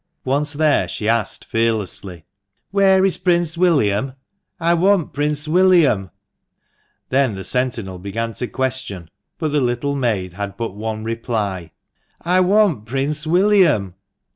Once there, she asked fearlessly —" Where is Prince William ? I want Prince William !" Then the sentinel began to question ; but the little maid had but one reply — "I want Prince William!"